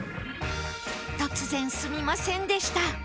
突然すみませんでした